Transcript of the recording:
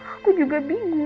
aku juga bingung